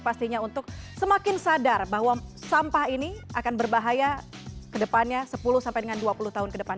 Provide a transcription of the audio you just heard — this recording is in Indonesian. pastinya untuk semakin sadar bahwa sampah ini akan berbahaya ke depannya sepuluh sampai dengan dua puluh tahun ke depan